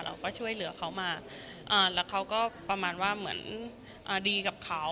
เราก็ช่วยเหลือเขามาแล้วเขาก็ประมาณว่าเหมือนดีกับเขา